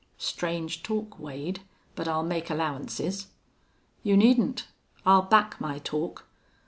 "Strange talk, Wade, but I'll make allowances." "You needn't. I'll back my talk....